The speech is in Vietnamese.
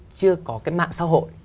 chưa có cái mạng xã hội